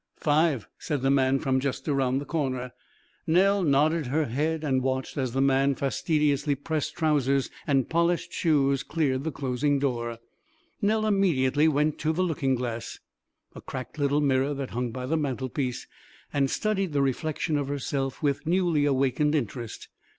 "Five," said the man from just around the corner. Nell nodded her head and watched as the man's fastidiously pressed trousers and polished shoes cleared the closing door. Nell immediately went to the looking glass a cracked little mirror that hung by the mantelpiece and studied the reflection of herself with newly awakened interest.